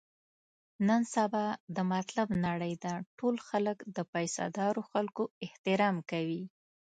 نن سبا د مطلب نړۍ ده، ټول خلک د پیسه دارو خلکو احترام کوي.